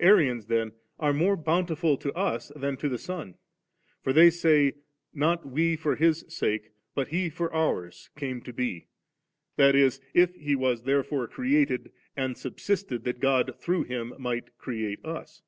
Arians then are more bountiful to us than to the Son ; for they say, not we for His sake, but He for ours, came to be ; that is, if He was therefore created, and subsisted, that God through Him might create us.